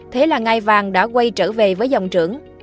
thế là ngài vàng đã quay trở về với dòng trưởng